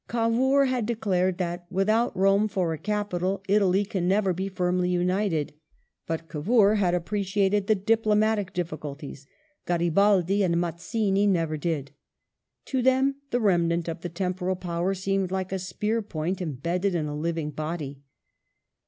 Cavour had declared that " without Rome for a capital, Italy can never be firmly united ". But Cavour had appreciated the diplomatic difficulties ; Garibaldi and Mazzini never did. To them the remnant of the Temporal Power seemed like a spear point em bedded in a living body.